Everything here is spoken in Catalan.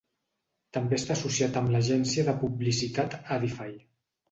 També està associat amb l'agència de publicitat Adify.